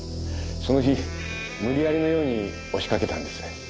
その日無理やりのように押しかけたんです。